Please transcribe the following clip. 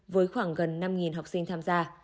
với khoảng gần năm học sinh tham gia